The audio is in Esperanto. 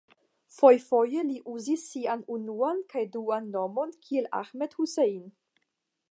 Fojfoje li uzis siajn unuan kaj duan nomojn kiel Ahmed Hussein.